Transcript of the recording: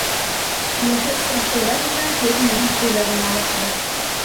Киләһе осрашыуҙа иһә һеҙ минән пуля ғына алырһығыҙ.